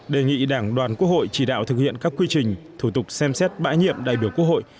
đề nghị đảng đoàn quốc hội chỉ đạo thực hiện các quy trình thủ tục xem xét bãi nhiệm đại biểu quốc hội